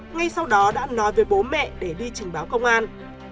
ngay sau đó đã nói với bố mẹ để đi trình báo công an